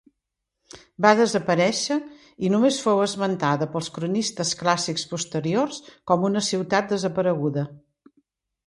Va desaparèixer i només fou esmentada pels cronistes clàssics posteriors com una ciutat desapareguda.